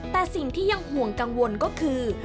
แต่สิ่งที่ยังห่วงกังวลก็คือ